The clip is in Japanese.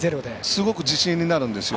すごく自信になるんですよ。